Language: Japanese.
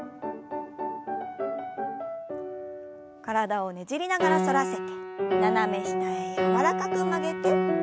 体をねじりながら反らせて斜め下へ柔らかく曲げて。